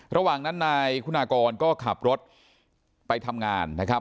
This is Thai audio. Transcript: ระหว่างนั้นนายคุณากรก็ขับรถไปทำงานนะครับ